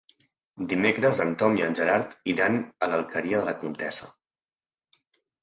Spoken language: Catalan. Dimecres en Tom i en Gerard iran a l'Alqueria de la Comtessa.